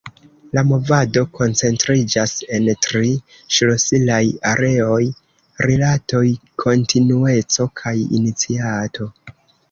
La movado koncentriĝas en tri ŝlosilaj areoj: rilatoj, kontinueco kaj iniciato.